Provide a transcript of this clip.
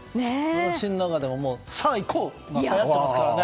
私の中でもさあ、行こう！がまだはやってますからね。